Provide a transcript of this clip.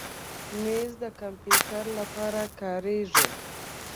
مېز د کمپیوټر لپاره کارېږي.